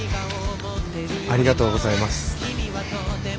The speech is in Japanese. ありがとうございます。